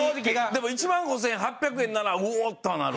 でも１万５８００円なら「おお！」とはなる。